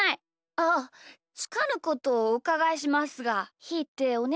あつかぬことをおうかがいしますがひーっておねしょしてる？